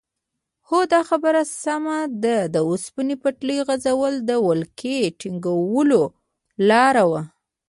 هو دا خبره سمه ده د اوسپنې پټلۍ غځول د ولکې ټینګولو لاره وه.